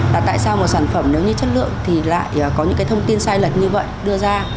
là tại sao một sản phẩm nếu như chất lượng thì lại có những thông tin sai lật như vậy đưa ra